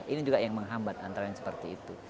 ini juga yang menghambat antara yang seperti itu